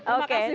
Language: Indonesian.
oke terima kasih